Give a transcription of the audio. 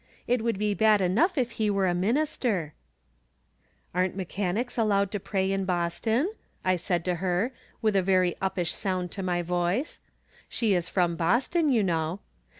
It would be bad enough if he were a minister !"" Aren't mechanics allowed to pray in Boston ?" I said to her, with a very uppish sound to my voice. She is from Boston, you know.